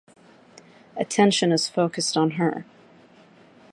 Attention is focused on her.